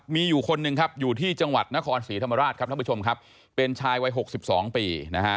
มีคนอยู่ที่จังหวัดนครศรีธรรมราชเป็นชายไว้๖๒ปี